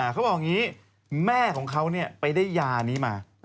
ค้าบอกงี้แม่ของเขาได้ยานี้มา